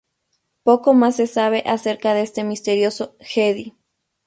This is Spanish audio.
Poco más se sabe a cerca de este misterioso Jedi.